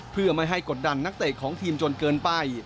เพื่อไม่ให้กดดันนักเตะของทีมจนเกินไป